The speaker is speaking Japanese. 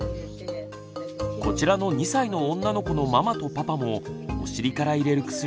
こちらの２歳の女の子のママとパパもお尻から入れる薬で大苦戦したそうです。